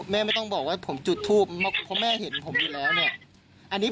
แม่ไม่ต้องบอกว่าผมจุดทูปเพราะแม่เห็นผมอยู่แล้วเนี่ยอันนี้